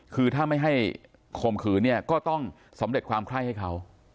คือถ้าไม่ให้ข่มขืนเนี่ยก็ต้องสำเร็จความไข้ให้เขา